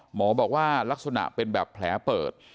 หมอบอกว่าลักษณะเป็นแบบแผลเปิด